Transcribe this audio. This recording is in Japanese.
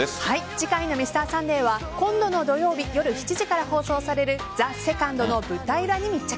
次回の「Ｍｒ．サンデー」は今度の土曜日夜７時から放送される「ＴＨＥＳＥＣＯＮＤ」の舞台裏に密着。